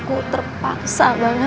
aku terpaksa banget